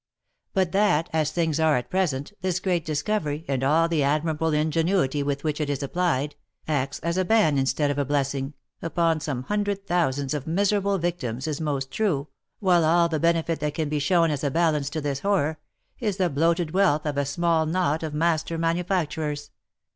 But that, as things are at present, this great discovery, and all the admirable ingenuity with which it is applied, acts as a ban instead of a blessing, upon some hundred thousands of miserable victims is most true, while all the benefit that can be shown as a balance to this horror, is the bloated wealth of a small knot of master manufacturers.